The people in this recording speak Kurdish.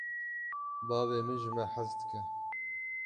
Bavê min ji me hez dike.